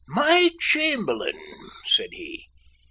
"My Chamberlain?" said he.